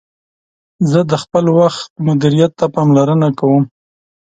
زه د خپل وخت مدیریت ته پاملرنه کوم.